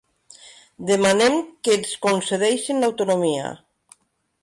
Demanem que ens concedeixin l'autonomia.